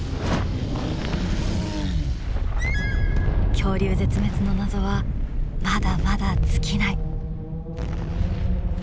恐竜絶滅の謎はまだまだ尽きない。